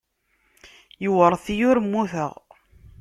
Iwṛet-iyi, ur mmuteɣ.